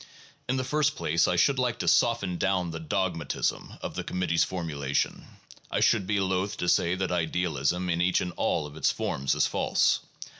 In the first place, I should like to soften down the dogmatism of the Committee's formulation. I should be loth to say that idealism in each and all of its forms is false.